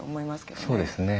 そうですね。